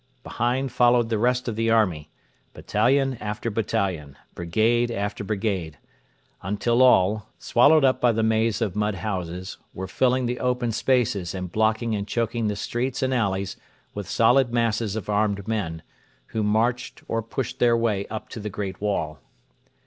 Behind followed the rest of the army battalion after battalion, brigade after brigade until all, swallowed up by the maze of mud houses, were filling the open spaces and blocking and choking the streets and alleys with solid masses of armed men, who marched or pushed their way up to the great wall.